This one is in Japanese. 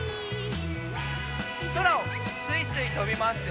そらをすいすいとびますよ！